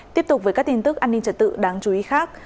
tiếp tục với các tin tức an ninh trật tự đáng chú ý khác